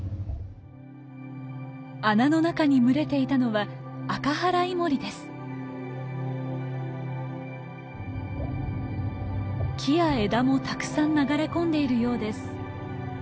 穴の中に群れていたのは木や枝もたくさん流れ込んでいるようです。